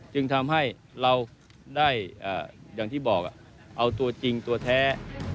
จึงทำให้เราได้อย่างที่บอกเอาตัวจริงตัวแท้